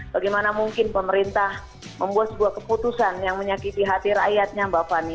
bagaimana mungkin pemerintah membuat sebuah keputusan yang menyakiti hati rakyatnya mbak fani